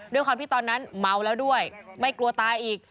ด้วยความที่ตอนนั้นเมาแล้วด้วยไม่กลัวตายอีก